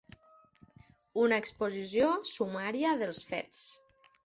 Una exposició sumària dels fets.